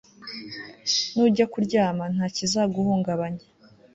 nujya kuryama nta kizaguhungabanya